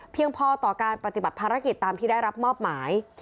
พอต่อการปฏิบัติภารกิจตามที่ได้รับมอบหมาย